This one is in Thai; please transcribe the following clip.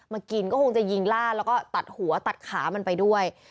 มากินก็คงจะยิงล่าแล้วก็ตัดหัวตัดขามันไปด้วย